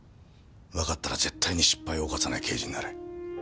わかったら絶対に失敗を犯さない刑事になれ。